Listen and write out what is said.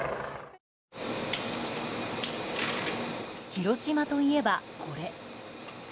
広島といえば、これ。